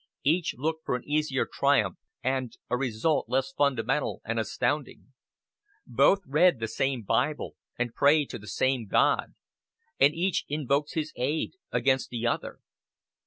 Each looked for an easier triumph, and a result less fundamental and astounding. Both read the same Bible, and pray to the same God; and each invokes his aid against the other.